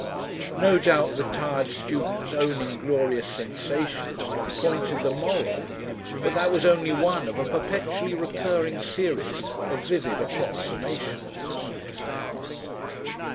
No doubt the tired student's own inglorious sensations pointed the moral. But that was only one of a perpetually recurring series of vivid approximations.